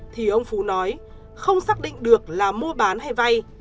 thì ông phú nói không xác định được là mua bán hay vay